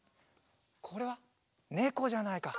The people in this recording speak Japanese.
これはねこじゃないか。